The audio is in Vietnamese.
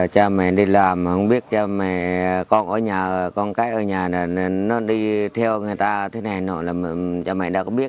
cha mẹ đi làm mà không biết cha mẹ con ở nhà con cái ở nhà nó đi theo người ta